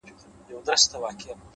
د زړه صفا د وجدان سکون دی!.